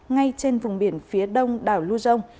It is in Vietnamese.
ngay trên vùng biển phía đông đảo luzon